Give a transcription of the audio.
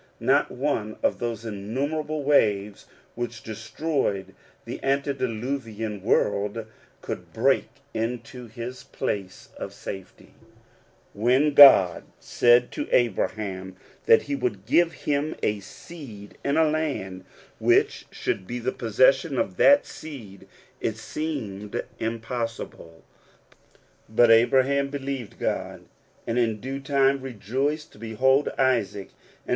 Not one of those innumerable waves which destroyed the antediluvian world could break into his place of safety. When God 76 According to the Promise. said to Abraham that he would give him a see(^^ and a land which should be the possession of th^ seed, it seemed impossible ; but Abraham believ^ . God, and in due time rejoiced to behold Isaac, ar^'